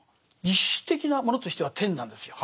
実質的なものとしては天なんですよ。